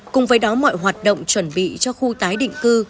cùng với đó mọi hoạt động chuẩn bị cho khu tái định cư